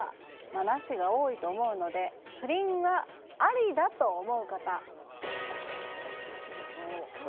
なしが多いと思うので不倫はありだと思う方２人？